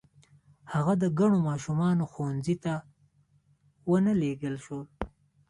هغه د کڼو ماشومانو ښوونځي ته و نه لېږل شو.